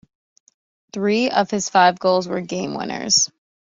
Three of his five goals were game-winners.